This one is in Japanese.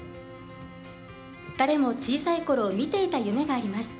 誰も小さいころ見ていた夢があります。